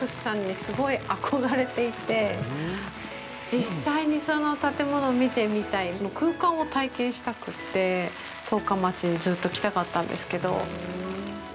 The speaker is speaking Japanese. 実際にその建物を見てみたい、その空間を体験したくて、十日町にずっと来たかったんですけど。